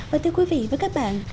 và thưa quý vị và các bạn